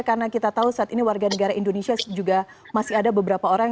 karena kita tahu saat ini warga negara indonesia juga masih ada beberapa orang